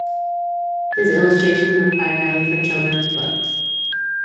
His illustrations were primarily for children's books.